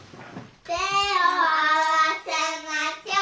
手を合わせましょう。